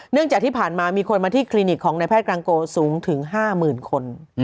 จากที่ผ่านมามีคนมาที่คลินิกของนายแพทย์กลางโกสูงถึง๕๐๐๐คน